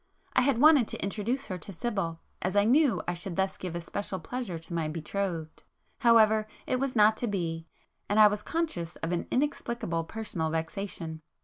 I had wanted to introduce her to Sibyl, as I knew I should thus give a special pleasure to my betrothed,—however, it was not to be, [p 250] and I was conscious of an inexplicable personal vexation.